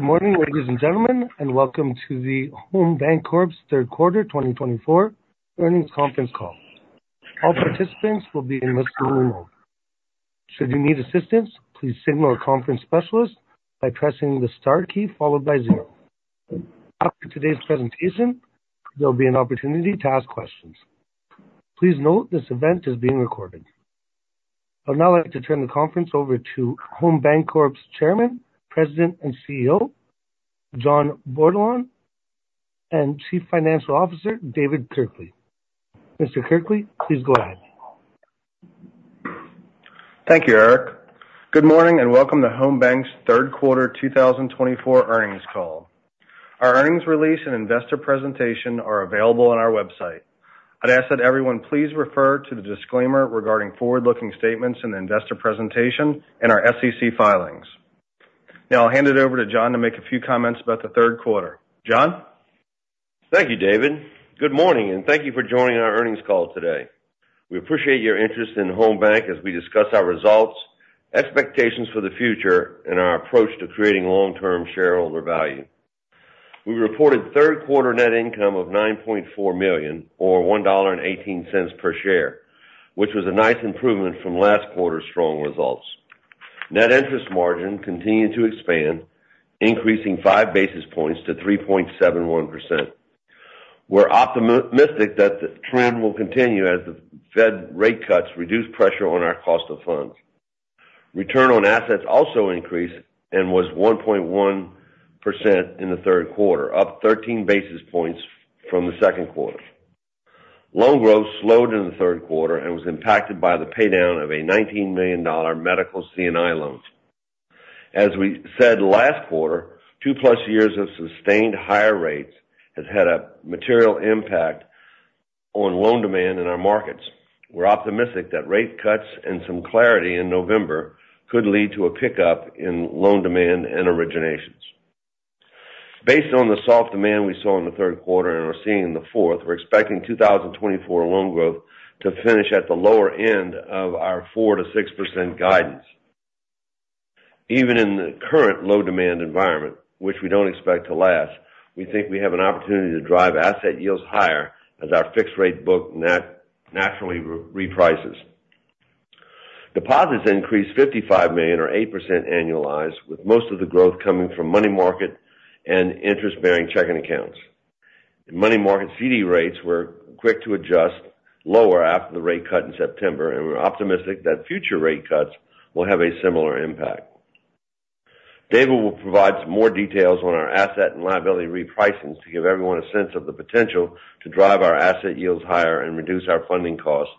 Good morning, ladies and gentlemen, and welcome to the Home Bancorp's third quarter 2024 earnings conference call. All participants will be in listen-only mode. Should you need assistance, please signal a conference specialist by pressing the star key followed by zero. After today's presentation, there'll be an opportunity to ask questions. Please note this event is being recorded. I'd now like to turn the conference over to Home Bancorp's Chairman, President, and CEO, John Bordelon, and Chief Financial Officer, David Kirkley. Mr. Kirkley, please go ahead. Thank you, Eric. Good morning, and welcome to Home Bank's third quarter 2024 earnings call. Our earnings release and investor presentation are available on our website. I'd ask that everyone please refer to the disclaimer regarding forward-looking statements in the investor presentation and our SEC filings. Now I'll hand it over to John to make a few comments about the third quarter. John? Thank you, David. Good morning, and thank you for joining our earnings call today. We appreciate your interest in Home Bank as we discuss our results, expectations for the future, and our approach to creating long-term shareholder value. We reported third quarter net income of $9.4 million, or $1.18 per share, which was a nice improvement from last quarter's strong results. Net interest margin continued to expand, increasing 5 basis points to 3.71%. We're optimistic that the trend will continue as the Fed rate cuts reduce pressure on our cost of funds. Return on assets also increased and was 1.1% in the third quarter, up 13 basis points from the second quarter. Loan growth slowed in the third quarter and was impacted by the paydown of a $19 million medical C&I loans. As we said last quarter, two-plus years of sustained higher rates has had a material impact on loan demand in our markets. We're optimistic that rate cuts and some clarity in November could lead to a pickup in loan demand and originations. Based on the soft demand we saw in the third quarter and are seeing in the fourth, we're expecting 2024 loan growth to finish at the lower end of our 4%-6% guidance. Even in the current low demand environment, which we don't expect to last, we think we have an opportunity to drive asset yields higher as our fixed-rate book naturally reprices. Deposits increased $55 million or 8% annualized, with most of the growth coming from money market and interest-bearing checking accounts. Money market CD rates were quick to adjust lower after the rate cut in September, and we're optimistic that future rate cuts will have a similar impact. David will provide some more details on our asset and liability repricing to give everyone a sense of the potential to drive our asset yields higher and reduce our funding costs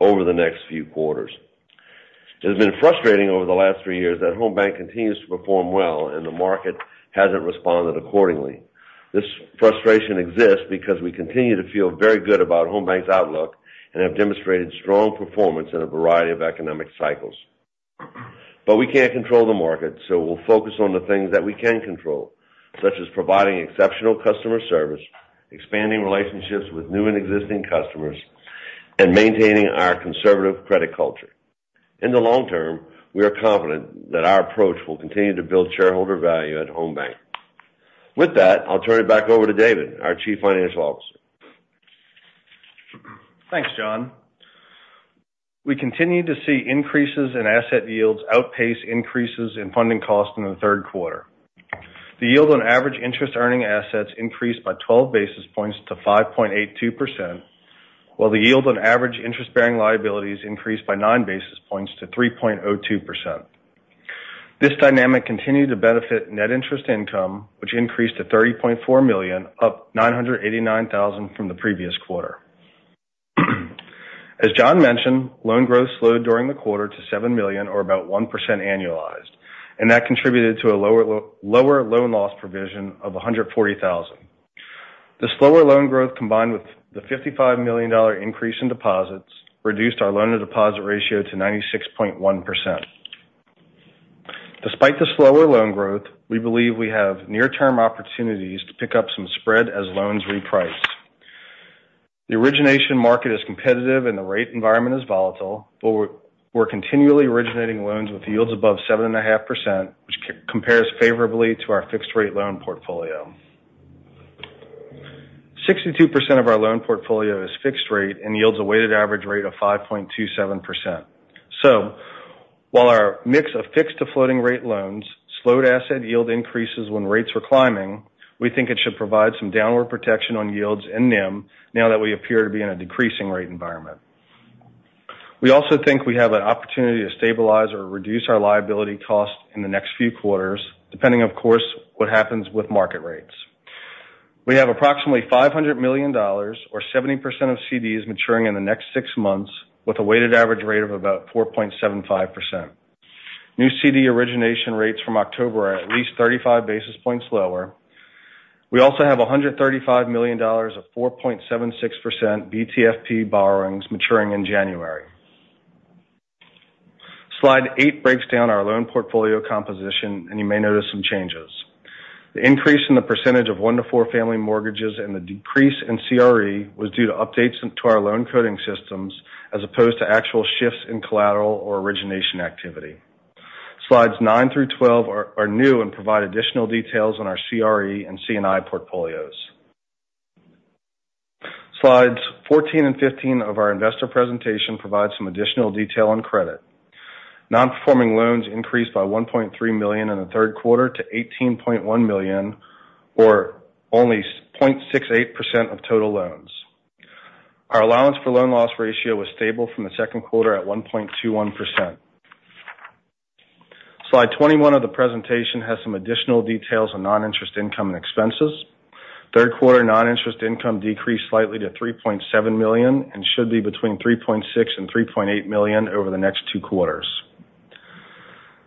over the next few quarters. It has been frustrating over the last three years that Home Bank continues to perform well and the market hasn't responded accordingly. This frustration exists because we continue to feel very good about Home Bank's outlook and have demonstrated strong performance in a variety of economic cycles. But we can't control the market, so we'll focus on the things that we can control, such as providing exceptional customer service, expanding relationships with new and existing customers, and maintaining our conservative credit culture. In the long term, we are confident that our approach will continue to build shareholder value at Home Bank. With that, I'll turn it back over to David, our Chief Financial Officer. Thanks, John. We continued to see increases in asset yields outpace increases in funding costs in the third quarter. The yield on average interest-earning assets increased by 12 basis points to 5.82%, while the yield on average interest-bearing liabilities increased by 9 basis points to 3.02%. This dynamic continued to benefit net interest income, which increased to $30.4 million, up $989,000 from the previous quarter. As John mentioned, loan growth slowed during the quarter to $7 million or about 1% annualized, and that contributed to a lower loan loss provision of $140,000. The slower loan growth, combined with the $55 million increase in deposits, reduced our loan-to-deposit ratio to 96.1%. Despite the slower loan growth, we believe we have near-term opportunities to pick up some spread as loans reprice. The origination market is competitive and the rate environment is volatile, but we're continually originating loans with yields above 7.5%, which compares favorably to our fixed-rate loan portfolio. 62% of our loan portfolio is fixed rate and yields a weighted average rate of 5.27%, so while our mix of fixed- to floating-rate loans slowed asset yield increases when rates were climbing, we think it should provide some downward protection on yields and NIM now that we appear to be in a decreasing rate environment. We also think we have an opportunity to stabilize or reduce our liability costs in the next few quarters, depending, of course, what happens with market rates. We have approximately $500 million or 70% of CDs maturing in the next six months with a weighted average rate of about 4.75%. New CD origination rates from October are at least 35 basis points lower. We also have $135 million of 4.76% BTFP borrowings maturing in January. Slide eight breaks down our loan portfolio composition, and you may notice some changes. The increase in the percentage of one-to-four family mortgages and the decrease in CRE was due to updates to our loan coding systems as opposed to actual shifts in collateral or origination activity. Slides nine through 12 are new and provide additional details on our CRE and C&I portfolios. Slides 14 and 15 of our investor presentation provide some additional detail on credit. Non-performing loans increased by $1.3 million in the third quarter to $18.1 million or only 0.68% of total loans. Our allowance for loan losses ratio was stable from the second quarter at 1.21%. Slide 21 of the presentation has some additional details on noninterest income and expenses. Third quarter noninterest income decreased slightly to $3.7 million and should be between $3.6 million and $3.8 million over the next two quarters.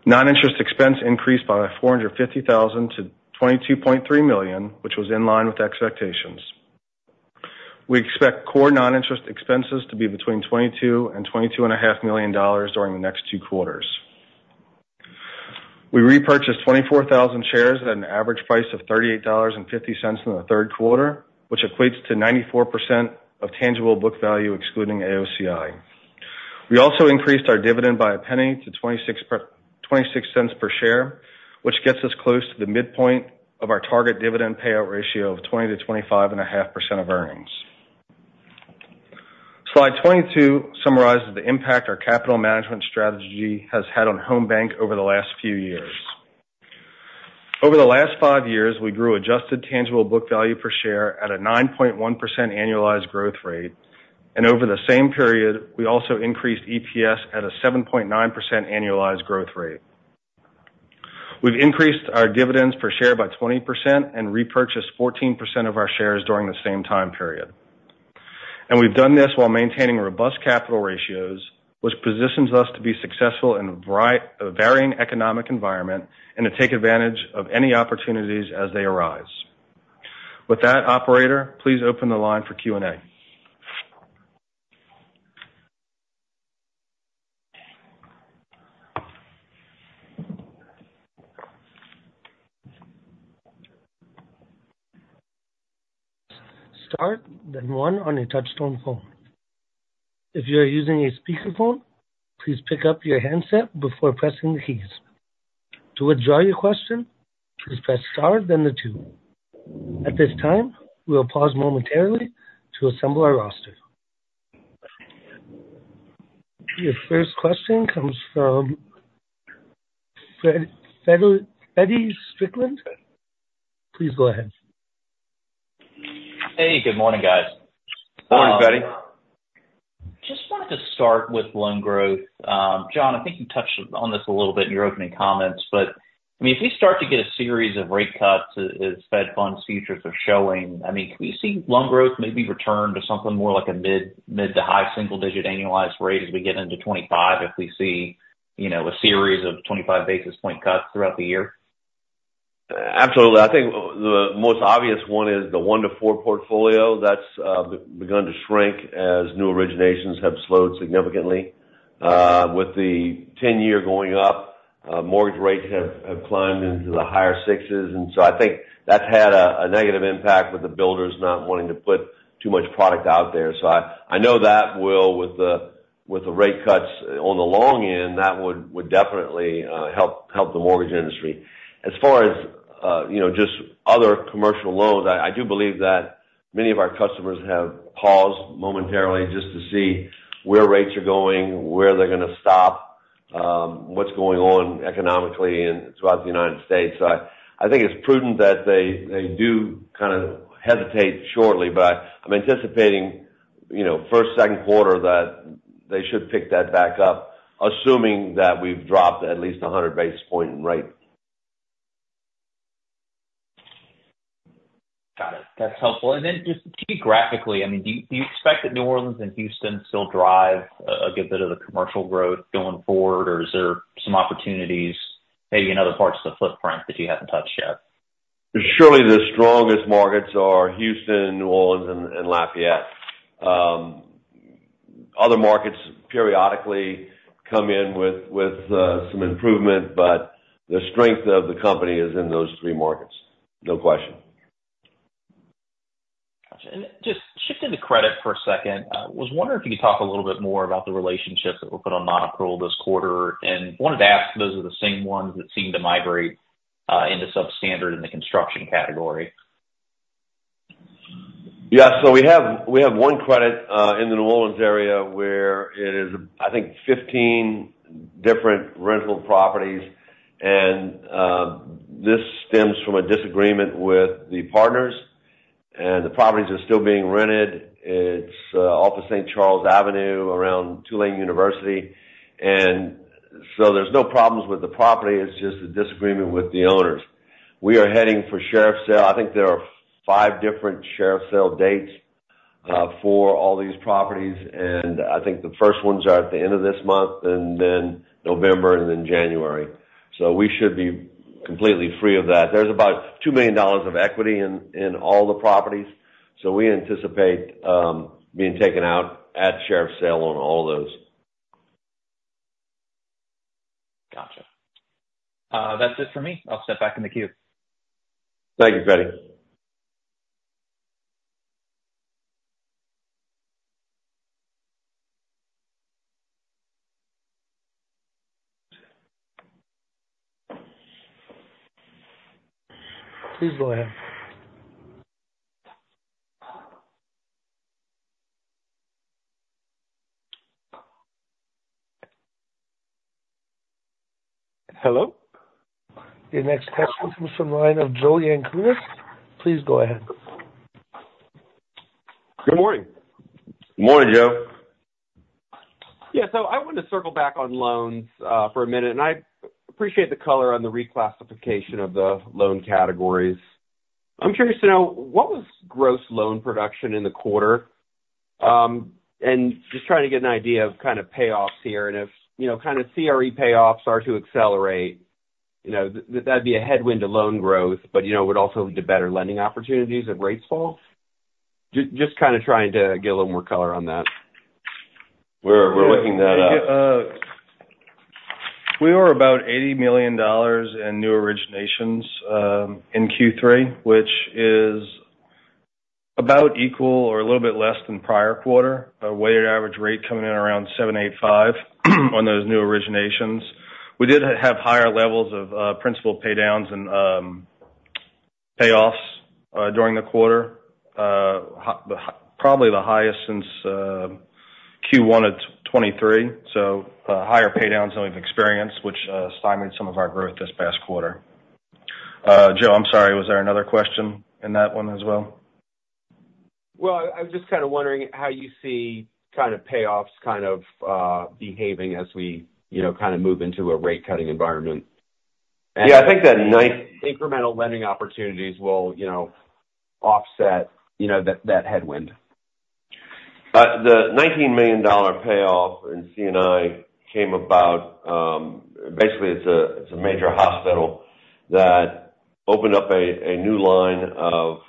Noninterest expense increased by $450,000 to $22.3 million, which was in line with expectations. We expect core noninterest expenses to be between $22 million and $22.5 million during the next two quarters. We repurchased 24,000 shares at an average price of $38.50 in the third quarter, which equates to 94% of tangible book value, excluding AOCI. We also increased our dividend by $0.01 to $0.26 per share, which gets us close to the midpoint of our target dividend payout ratio of 20%-25.5% of earnings. Slide 22 summarizes the impact our capital management strategy has had on Home Bank over the last few years. Over the last five years, we grew adjusted tangible book value per share at a 9.1% annualized growth rate, and over the same period, we also increased EPS at a 7.9% annualized growth rate. We've increased our dividends per share by 20% and repurchased 14% of our shares during the same time period, and we've done this while maintaining robust capital ratios, which positions us to be successful in a varying economic environment and to take advantage of any opportunities as they arise. With that, operator, please open the line for Q&A. star then one on your touchtone phone. If you are using a speakerphone, please pick up your handset before pressing the keys. To withdraw your question, please press star then the two. At this time, we will pause momentarily to assemble our roster. Your first question comes from Feddie Strickland. Please go ahead. Hey, good morning, guys. Morning, Feddie. Just wanted to start with loan growth. John, I think you touched on this a little bit in your opening comments, but, I mean, if we start to get a series of rate cuts as Fed funds futures are showing, I mean, can we see loan growth maybe return to something more like a mid- to high-single-digit annualized rate as we get into 2025 if we see, you know, a series of 25 basis point cuts throughout the year? Absolutely. I think the most obvious one is the one to four portfolio that's begun to shrink as new originations have slowed significantly. With the 10 year going up, mortgage rates have climbed into the higher sixes, and so I think that's had a negative impact with the builders not wanting to put too much product out there. So I know that will, with the rate cuts on the long end, that would definitely help the mortgage industry. As far as, you know, just other commercial loans, I do believe that many of our customers have paused momentarily just to see where rates are going, where they're gonna stop, what's going on economically and throughout the United States. I think it's prudent that they do kind of hesitate shortly, but I'm anticipating, you know, first, second quarter, that they should pick that back up, assuming that we've dropped at least 100 basis points in rate. Got it. That's helpful. And then just geographically, I mean, do you expect that New Orleans and Houston still drive a good bit of the commercial growth going forward? Or is there some opportunities maybe in other parts of the footprint that you haven't touched yet? Surely, the strongest markets are Houston, New Orleans, and Lafayette. Other markets periodically come in with some improvement, but the strength of the company is in those three markets, no question. Gotcha. And just shifting to credit for a second, was wondering if you could talk a little bit more about the relationships that were put on nonaccrual this quarter, and wanted to ask if those are the same ones that seemed to migrate into substandard in the construction category. Yeah. So we have one credit in the New Orleans area where it is, I think, 15 different rental properties, and this stems from a disagreement with the partners. And the properties are still being rented. It's off of St. Charles Avenue, around Tulane University. And so there's no problems with the property, it's just a disagreement with the owners. We are heading for sheriff's sale. I think there are five different sheriff's sale dates for all these properties, and I think the first ones are at the end of this month and then November and then January, so we should be completely free of that. There's about $2 million of equity in all the properties, so we anticipate being taken out at sheriff's sale on all those. That's it for me. I'll step back in the queue. Thank you, Feddie. Please go ahead. Hello. Your next question comes from the line of Joe Yanchunis. Please go ahead. Good morning. Morning, Joe. Yeah. So I wanted to circle back on loans for a minute. And I appreciate the color on the reclassification of the loan categories. I'm curious to know. What was gross loan production in the quarter? And just trying to get an idea of kind of payoffs here, and if, you know, kind of CRE payoffs are to accelerate, you know, that'd be a headwind to loan growth, but, you know, it would also lead to better lending opportunities if rates fall. Just kind of trying to get a little more color on that. We're looking that up. We were about $80 million in new originations in Q3, which is about equal or a little bit less than prior quarter. Our weighted average rate coming in around 7.85 on those new originations. We did have higher levels of principal pay downs and payoffs during the quarter, probably the highest since Q1 of 2023, so higher pay downs than we've experienced, which stymied some of our growth this past quarter. Joe, I'm sorry, was there another question in that one as well? I was just kind of wondering how you see kind of payoffs kind of behaving as we, you know, kind of move into a rate cutting environment. Yeah, I think that. Incremental lending opportunities will, you know, offset, you know, that headwind. The $19 million payoff in C&I came about, basically it's a major hospital that opened up a new line of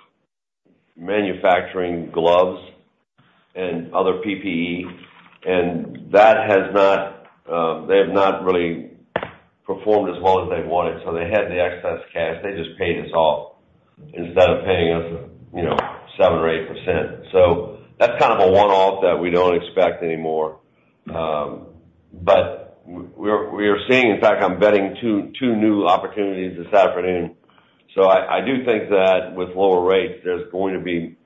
manufacturing gloves and other PPE. And that has not, they have not really performed as well as they wanted. So they had the excess cash. They just paid us off instead of paying us, you know, 7% or 8%. So that's kind of a one-off that we don't expect anymore, but we're seeing. In fact, I'm vetting two new opportunities this afternoon. So I do think that, with lower rates, there's going to be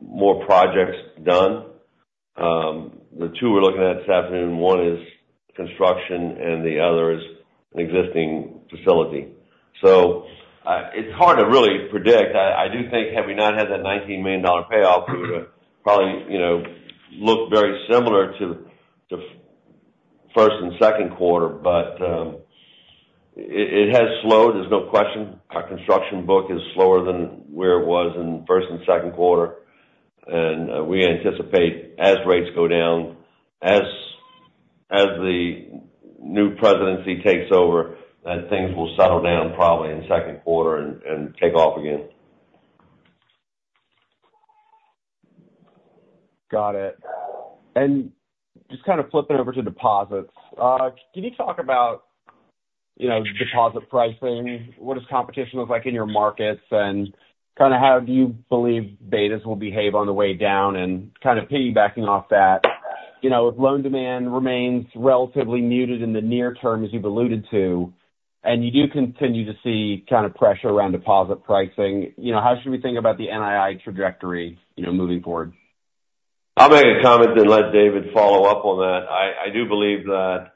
more projects done. The two we're looking at this afternoon, one is construction and the other is an existing facility. So it's hard to really predict. I do think, had we not had that $19 million payoff, we would've probably, you know, looked very similar to the first and second quarter, but it has slowed, there's no question. Our construction book is slower than where it was in the first and second quarter. We anticipate, as rates go down, as the new presidency takes over, that things will settle down, probably in the second quarter, and take off again. Got it. And just kind of flipping over to deposits, can you talk about, you know, deposit pricing? What does competition look like in your markets? And kind of how do you believe betas will behave on the way down? And kind of piggybacking off that, you know, if loan demand remains relatively muted in the near term, as you've alluded to, and you do continue to see kind of pressure around deposit pricing, you know, how should we think about the NII trajectory, you know, moving forward? I'll make a comment then let David follow up on that. I do believe that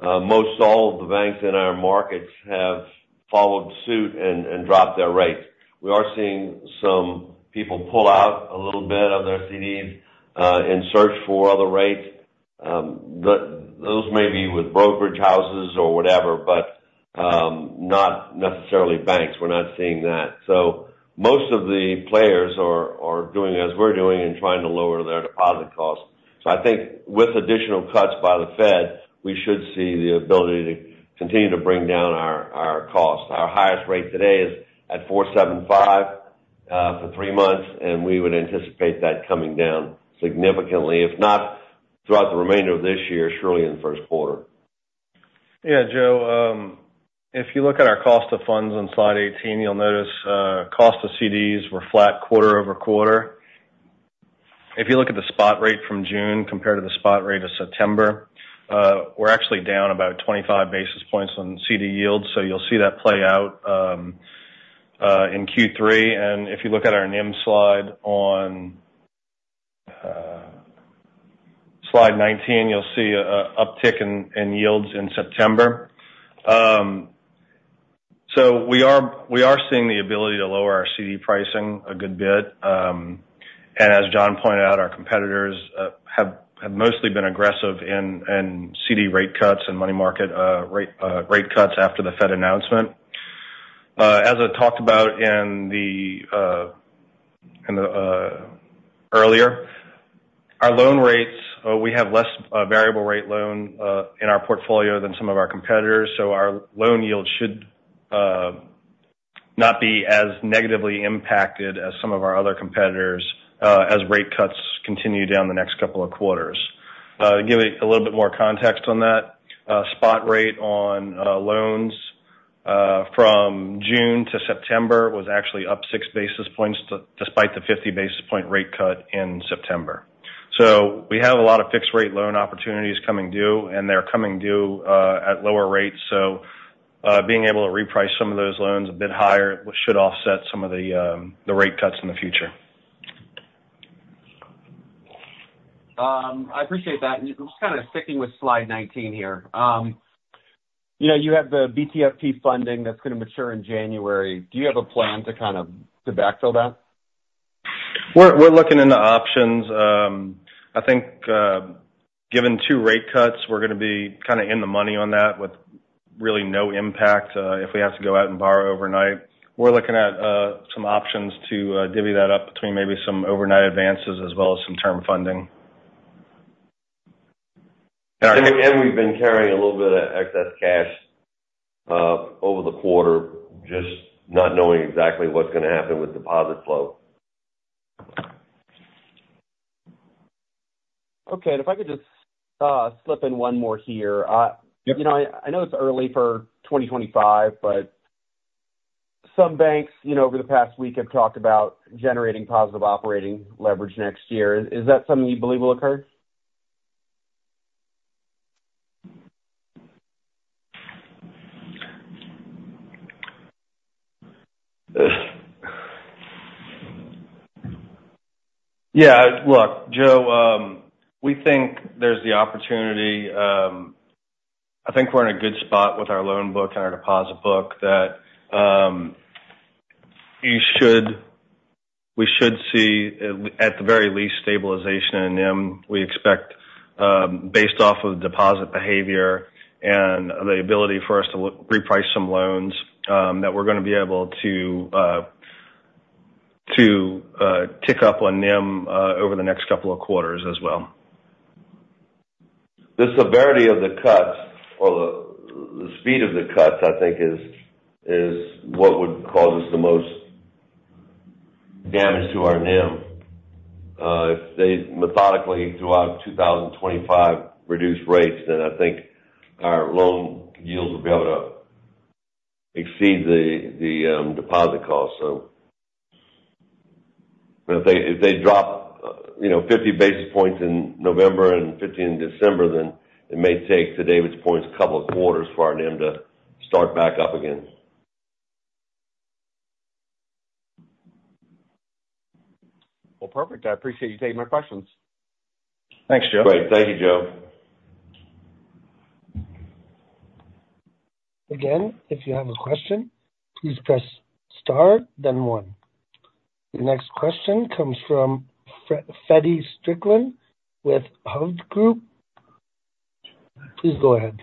most all of the banks in our markets have followed suit and dropped their rates. We are seeing some people pull out a little bit of their CDs and search for other rates. Those may be with brokerage houses or whatever but not necessarily banks. We're not seeing that. So most of the players are doing as we're doing and trying to lower their deposit costs. So I think, with additional cuts by the Fed, we should see the ability to continue to bring down our costs. Our highest rate today is at 4.75% for three months, and we would anticipate that coming down significantly, if not throughout the remainder of this year, surely in the first quarter. Yeah, Joe, if you look at our cost of funds on slide 18, you'll notice cost of CDs were flat quarter-over-quarter. If you look at the spot rate from June compared to the spot rate of September, we're actually down about 25 basis points on CD yields. So you'll see that play out in Q3. And if you look at our NIM slide on slide 19, you'll see uptick in yields in September. So we are seeing the ability to lower our CD pricing a good bit. And as John pointed out, our competitors have mostly been aggressive in CD rate cuts and money market rate cuts after the Fed announcement. As I talked about earlier, our loan rates, we have less variable-rate loan in our portfolio than some of our competitors, so our loan yields should not be as negatively impacted as some of our other competitors as rate cuts continue down the next couple of quarters. To give you a little bit more context on that. Spot rate on loans from June to September was actually up 6 basis points despite the 50 basis point rate cut in September. So we have a lot of fixed-rate loan opportunities coming due and they're coming due at lower rates, so being able to reprice some of those loans a bit higher should offset some of the rate cuts in the future. I appreciate that. Just kind of sticking with slide 19 here. You know, you have the BTFP funding that's going to mature in January. Do you have a plan to kind of to backfill that? We're looking into options. I think, given two rate cuts, we're going to be kind of in the money on that with really no impact if we have to go out and borrow overnight. We're looking at some options to divvy that up between maybe some overnight advances as well as some term funding. We've been carrying a little bit of excess cash over the quarter, just not knowing exactly what's going to happen with deposit flow. Okay. And if I could just slip in one more here. Yep. You know, I know it's early for 2025, but some banks, you know, over the past week, have talked about generating positive operating leverage next year. Is that something you believe will occur? Yeah, look, Joe, we think there's the opportunity. I think we're in a good spot, with our loan book and our deposit book, that we should see, at the very least, stabilization in NIM. We expect, based off of deposit behavior and the ability for us to reprice some loans, that we're going to be able to tick up on NIM over the next couple of quarters as well. The severity of the cuts or the speed of the cuts, I think, is what would cause us the most damage to our NIM. If they methodically, throughout 2025, reduce rates, then I think our loan yields will be able to exceed the deposit costs, but if they drop, you know, 50 points in November and 50 in December, then it may take, to David's points, a couple of quarters for our NIM to start back up again. Perfect. I appreciate you taking my questions. Thanks, Joe. Great. Thank you, Joe. Again, if you have a question, please press star then one. The next question comes from Feddie Strickland with Hovde Group. Please go ahead.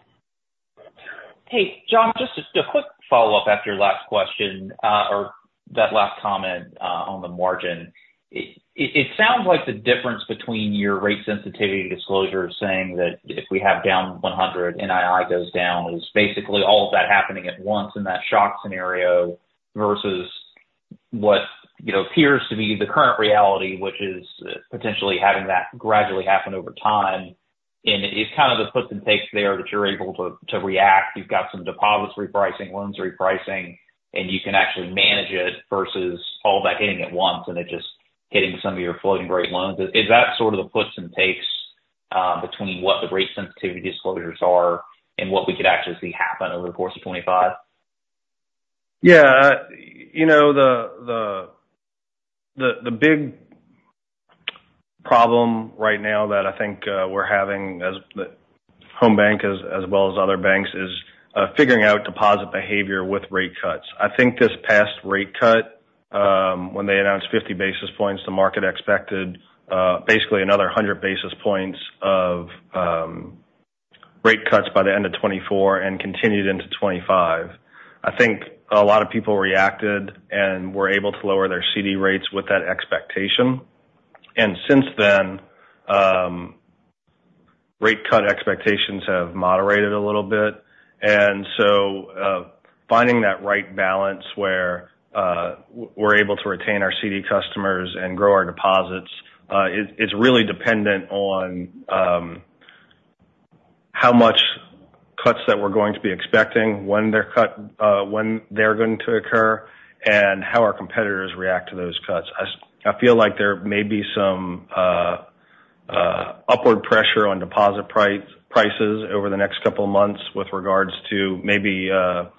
Hey, John, just a quick follow-up after your last question or that last comment on the margin. It sounds like the difference between your rate sensitivity disclosure saying that, if we have down 100, NII goes down, is basically all of that happening at once in that shock scenario, versus what, you know, appears to be the current reality, which is potentially having that gradually happen over time, and it's kind of the puts and takes there that you're able to react. You've got some deposits repricing, loans repricing, and you can actually manage it, versus all that hitting at once and it just hitting some of your floating-rate loans. Is that sort of the puts and takes between what the rate sensitivity disclosures are and what we could actually see happen over the course of 2025? Yeah. You know, the big problem right now that I think we're having as the Home Bank, as well as other banks, is figuring out deposit behavior with rate cuts. I think, this past rate cut when they announced 50 basis points, the market expected basically another 100 basis points of rate cuts by the end of 2024 and continued into 2025. I think a lot of people reacted and were able to lower their CD rates with that expectation, and since then, rate cut expectations have moderated a little bit. Finding that right balance where we're able to retain our CD customers and grow our deposits is really dependent on how much cuts that we're going to be expecting, when they're cut, when they're going to occur, and how our competitors react to those cuts. I feel like there may be some upward pressure on deposit prices over the next couple of months with regards to maybe there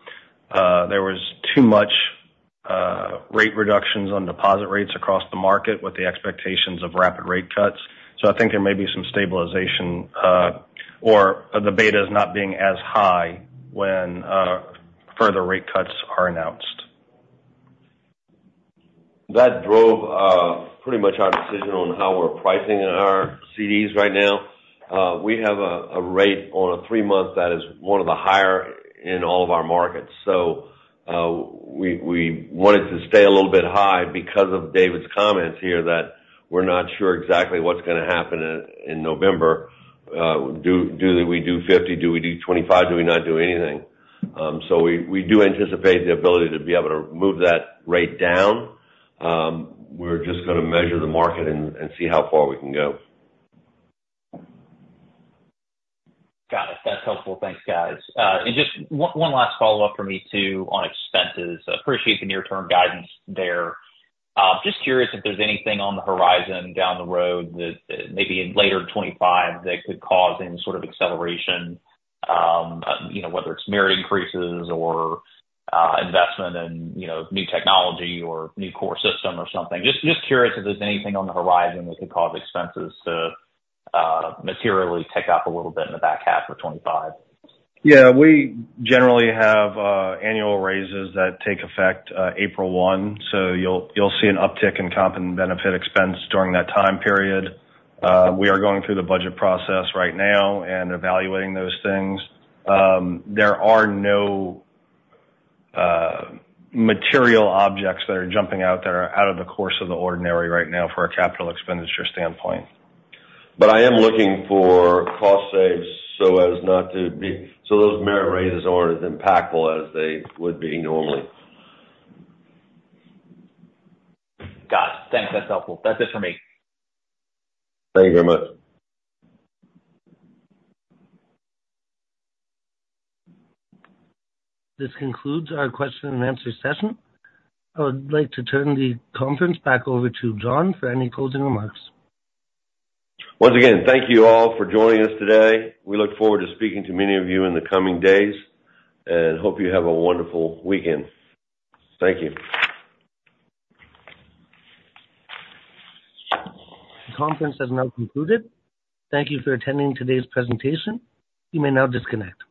was too much rate reductions on deposit rates across the market with the expectations of rapid rate cuts. I think there may be some stabilization or the beta is not being as high when further rate cuts are announced. That drove pretty much our decision on how we're pricing our CDs right now. We have a rate on a three month that is one of the higher in all of our markets. So we wanted to stay a little bit high because of David's comments here that we're not sure exactly what's going to happen in November. Do we do 50? Do we do 25? Do we not do anything? So we do anticipate the ability to be able to move that rate down. We're just gonna measure the market and see how far we can go. Got it. That's helpful. Thanks, guys. And just one last follow-up for me, too, on expenses. Appreciate the near-term guidance there. Just curious if there's anything on the horizon down the road that, maybe in later 2025, that could cause any sort of acceleration, you know, whether it's merit increases or investment in, you know, new technology or new core system or something. Just curious if there's anything on the horizon that could cause expenses to materially tick up a little bit in the back half of 2025. Yeah, we generally have annual raises that take effect April 1, so you'll see an uptick in comp and benefit expense during that time period. We are going through the budget process right now and evaluating those things. There are no material objects that are jumping out that are out of the course of the ordinary right now from a capital expenditure standpoint. But I am looking for cost saves so those merit raises aren't as impactful as they would be normally. Got it. Thanks. That's helpful. That's it for me. Thank you very much. This concludes our question-and-answer session. I would like to turn the conference back over to John for any closing remarks. Once again, thank you all for joining us today. We look forward to speaking to many of you in the coming days and hope you have a wonderful weekend. Thank you. The conference has now concluded. Thank you for attending today's presentation. You may now disconnect.